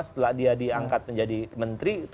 setelah dia diangkat menjadi menteri